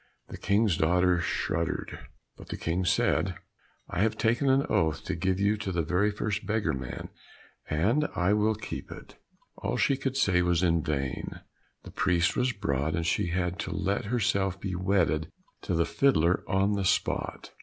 The King's daughter shuddered, but the King said, "I have taken an oath to give you to the very first beggar man, and I will keep it." All she could say was in vain; the priest was brought, and she had to let herself be wedded to the fiddler on the spot.